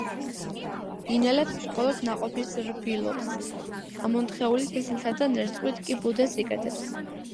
ინელებს მხოლოდ ნაყოფის რბილობს, ამონთხეული თესლითა და ნერწყვით კი ბუდეს იკეთებს.